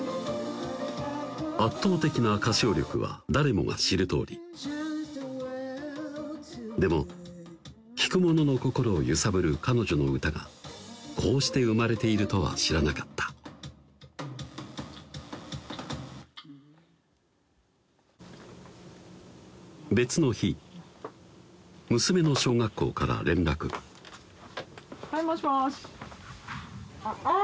圧倒的な歌唱力は誰もが知るとおりでも聴く者の心を揺さぶる彼女の歌がこうして生まれているとは知らなかった別の日娘の小学校から連絡はいもしもしあぁ